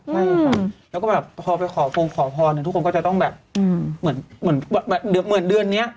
ใช่ค่ะแล้วก็แบบพอไปขอพงขอพรทุกคนก็จะต้องแบบเหมือนเดือนนี้